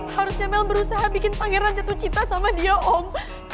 harusnya mel berusaha bikin pangeran jatuh cinta sama dia om